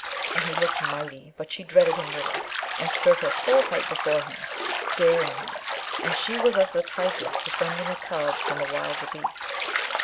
And he looked mighty; but she dreaded him little, and stood her full height before him, daring him, and she was as the tigress defending a cub from a wilder beast.